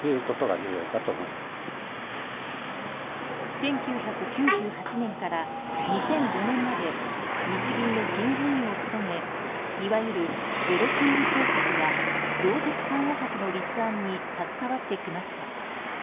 １９９８年から２００５年まで日銀の審議委員を務めいわゆるゼロ金利政策や量的緩和策の立案に携わってきました。